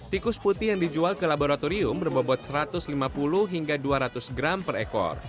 tikus putih yang dijual ke laboratorium berbobot satu ratus lima puluh hingga dua ratus gram per ekor